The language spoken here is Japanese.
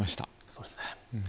そうですね。